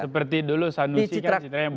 seperti dulu sanusi kan dicitrakan yang bagus